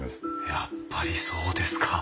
やっぱりそうですか。